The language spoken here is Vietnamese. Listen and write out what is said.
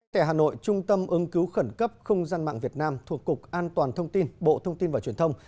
tại hà nội trung tâm ứng cứu khẩn cấp không gian mạng việt nam thuộc cục an toàn thông tin bộ thông tin và truyền thông